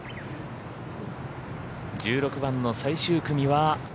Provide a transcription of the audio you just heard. １６番の最終組は。